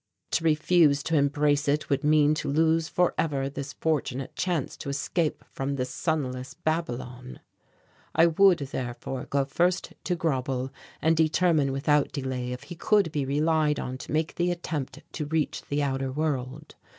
To refuse to embrace it would mean to lose for ever this fortunate chance to escape from this sunless Babylon. I would therefore go first to Grauble and determine without delay if he could be relied on to make the attempt to reach the outer world.